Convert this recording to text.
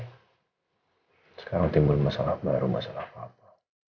sekarang timbul masalah baru masalah apa apa